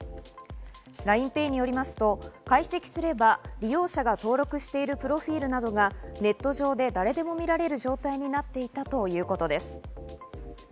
ＬＩＮＥＰａｙによりますと、解析すれば利用者が登録しているプロフィルなどがネット上で誰でも見られる状態になっていたということです。